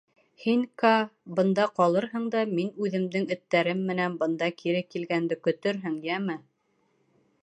Һин, Каа, бында ҡалырһың да мин «үҙемдең» эттәрем менән бында кире килгәнде көтөрһөң, йәме?